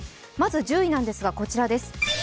まず１０位ですが、こちらです。